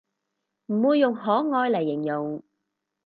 唔會用可愛嚟形容